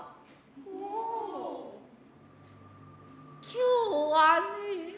今日はね